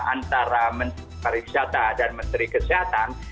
antara menteri pariwisata dan menteri kesehatan